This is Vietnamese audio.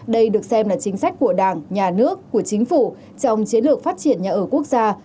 đây được xem là chính sách của đảng nhà nước của chính phủ trong chiến lược phát triển nhà ở quốc gia